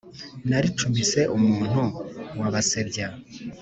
Naricumise umuntu wa Basebya